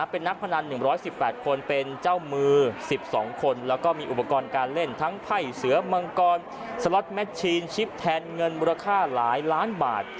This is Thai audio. เป็นนักพนัน๑๑๘คนเป็นเจ้ามือ๑๒คนแล้วก็มีอุปกรณ์การเล่นทั้งไพ่เสือมังกรสล็อตแมทชีนชิปแทนเงินมูลค่าหลายล้านบาท